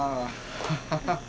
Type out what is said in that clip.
ハハハハ。